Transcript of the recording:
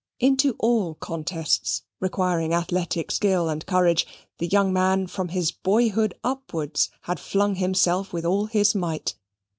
Into all contests requiring athletic skill and courage, the young man, from his boyhood upwards, had flung himself with all his might.